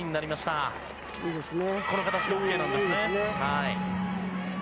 この形でＯＫなんですね。